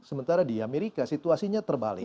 sementara di amerika situasinya terbalik